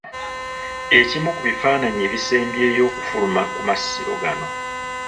Ekimu ku bifaananyi ebisembyeyo okufuluma ku Masiro gano